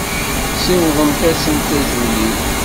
Siwḍemt-asent azul-iw.